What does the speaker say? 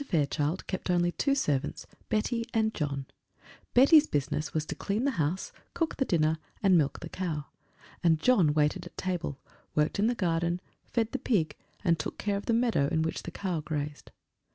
Fairchild kept only two servants, Betty and John: Betty's business was to clean the house, cook the dinner, and milk the cow; and John waited at table, worked in the garden, fed the pig, and took care of the meadow in which the cow grazed.